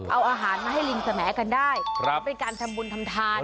เอาอาหารมาให้ลิงแสมกันได้เป็นการทำบุญทำทาน